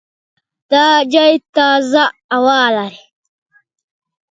دا ځای تازه هوا لري.